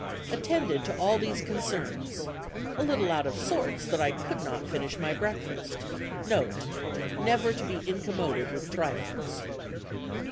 Attended to all these concerns. A little out of sorts that I could not finish my breakfast. Note: never to be incommoded with trifles.